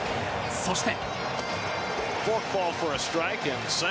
そして。